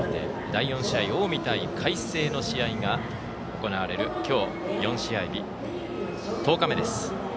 第４試合、近江対海星の試合が行われる今日４試合、１０日目です。